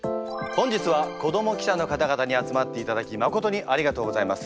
本日は子ども記者の方々に集まっていただきまことにありがとうございます。